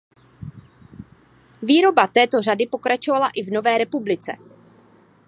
Výroba této řady pokračovala i v nové republice.